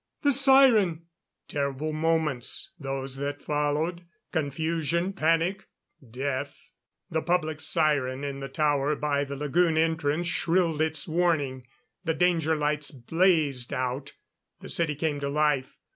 "The siren " Terrible moments, those that followed. Confusion; panic; death! The public siren in the tower by the lagoon entrance shrilled its warning. The danger lights blazed out. The city came to life.